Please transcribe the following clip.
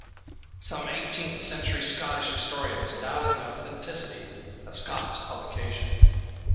Some eighteenth century Scottish historians doubted the authenticity of Scott's publication.